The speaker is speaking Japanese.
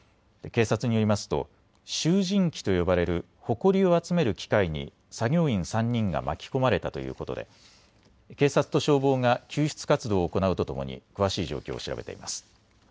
警察によりますと集じん機と呼ばれるほこりを集める機械に作業員３人が巻き込まれたということで警察と消防が救出活動を行うとともに詳しい状況を調べています。